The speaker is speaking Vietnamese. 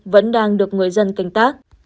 vẫn đang được người dân canh tác